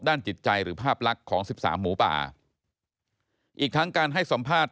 ด้านจิตใจหรือภาพรักของ๑๓หมูป่าอีกทั้งการให้สัมภาษณ์